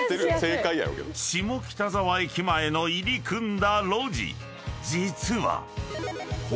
［下北沢駅前の入り組んだ路地実は］